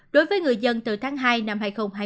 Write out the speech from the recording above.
đối với người dân từ tháng hai năm hai nghìn hai mươi